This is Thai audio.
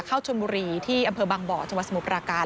เข้าชนบุรีที่อำเภอบางบ่อจังหวัดสมุทรปราการ